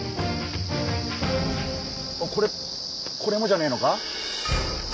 これこれもじゃねえのか？